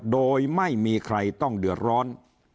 โดยไม่มีใครต้องเดือดร้อน